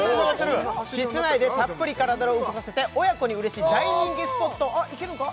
室内でたっぷり体を動かせて親子にうれしい大人気スポットをあっいけるんか？